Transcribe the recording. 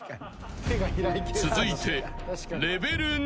［続いて］